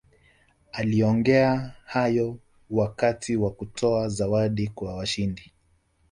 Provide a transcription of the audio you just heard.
aliongea hayo wakati wa kutoa zawadi kwa washindi